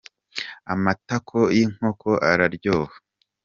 amatako yinkoko araryoha